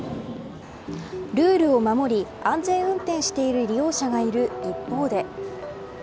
ルールを守り安全運転している利用者がいる一方で。